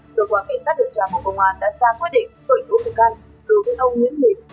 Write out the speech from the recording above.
tổ quán cảnh sát điều tra của công an đã ra quyết định tội thủ thực hành đối với ông nguyễn huỳnh